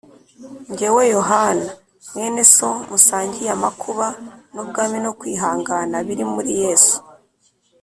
Jyewe Yohana, mwene So musangiye amakuba n’ubwami no kwihangana biri muri Yesu,